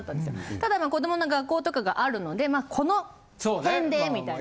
ただ子供の学校とかがあるのでこの辺でみたいな。